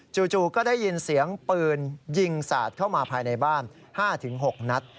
จู่ก็ได้ยินเสียงปืนยิงสาดเข้ามาภายในบ้าน๕๖นัด